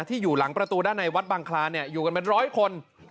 ที่อยู่หลังประตูด้านในวัดบังคลานอยู่กันเป็นร้อยคน